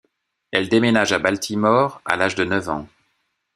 Elle déménage à Baltimore, à l'âge de neuf ans.